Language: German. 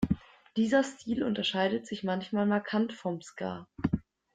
Dieser Stil unterscheidet sich manchmal markant vom Ska.